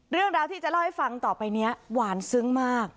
เรื่องราวที่จะเล่าให้ฟังต่อไปนี้หวานซึ้งมาก